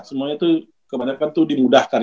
semuanya itu kebanyakan tuh dimudahkan